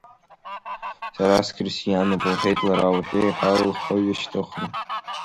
Сара сқьырсиануп, — лҳәеит лара уажәы еиҳа лхы ҩышьҭыхны.